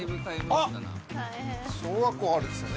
小学校あるんですよね。